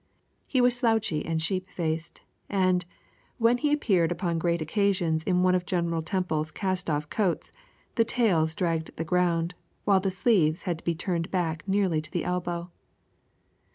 He was slouchy and sheep faced, and, when he appeared upon great occasions in one of General Temple's cast off coats, the tails dragged the ground, while the sleeves had to be turned back nearly to the elbow.